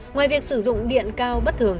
ngoài việc sử dụng điện cao bất thường